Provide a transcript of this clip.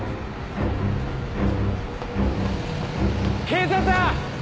警察だ！